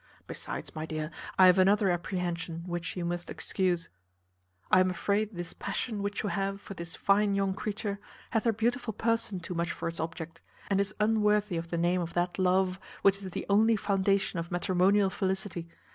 Besides, my dear, I have another apprehension which you must excuse. I am afraid this passion which you have for this fine young creature hath her beautiful person too much for its object, and is unworthy of the name of that love which is the only foundation of matrimonial felicity.